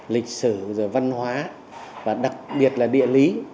lịch sử rồi văn hóa và đặc biệt là địa lý